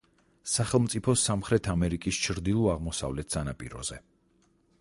სახელმწიფო სამხრეთ ამერიკის ჩრდილო–აღმოსავლეთ სანაპიროზე.